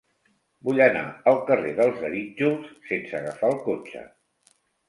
Vull anar al carrer dels Arítjols sense agafar el cotxe.